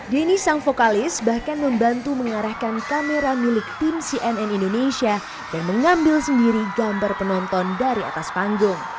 denny sang vokalis bahkan membantu mengarahkan kamera milik tim cnn indonesia dan mengambil sendiri gambar penonton dari atas panggung